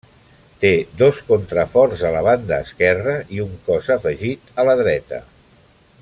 Té dos contraforts a la banda esquerra i un cos afegit a la dreta.